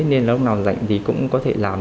nên lúc nào rảnh thì cũng có thể làm